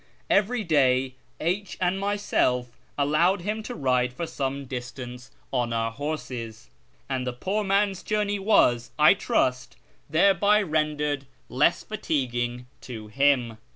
Every day H and myself allowed him to ride for some distance on our horses, and the poor man's journey was, I trust, thereby rendered less fatiguing to him.